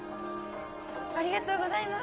ありがとうございます！